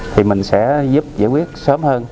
thì mình sẽ giúp giải quyết sớm hơn